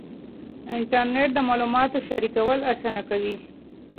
انټرنېټ د معلوماتو شریکول اسانه کوي.